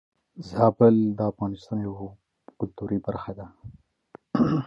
زابل د افغانستان د کلتور يوه مهمه برخه ده.